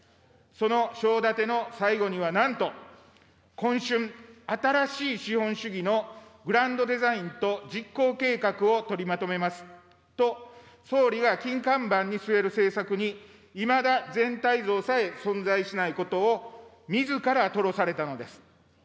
その章立ての最後にはなんと、今春、新しい資本主義のグランドデザインと実行計画を取りまとめますと、総理が金看板に据える政策に、いまだ全体像さえ存在しないことを、みずから吐露されたのです。